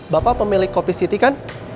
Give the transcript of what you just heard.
bapak pemilik kopi city kan